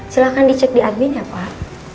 silahkan dicek di argen ya pak